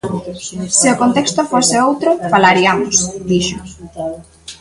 "Se o contexto fose outro, falariamos", dixo.